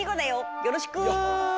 よろしく！